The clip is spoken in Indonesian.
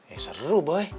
ya seru boy